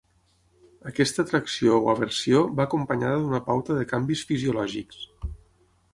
Aquesta atracció o aversió va acompanyada d'una pauta de canvis fisiològics.